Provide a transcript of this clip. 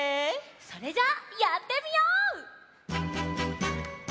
それじゃあやってみよう！